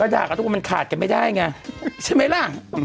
ด่ากับทุกคนมันขาดกันไม่ได้ไงใช่ไหมล่ะ